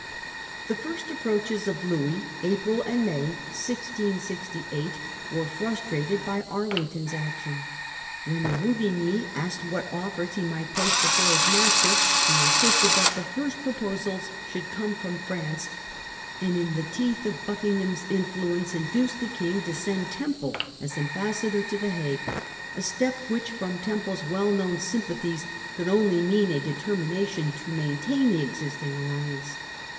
The first approaches of Louis (April and May 1668) were frustrated by Arlington's action. When Ruvigny asked what offers he might place before his master, he insisted that the first proposals should come from France, and in the teeth of Buckingham's influence induced the King to send Temple as ambassador to the Hague a step Arlington which, from Temple's well known sympathies, a French° cou ^ only mean a determination to maintain alliance. the existing alliance.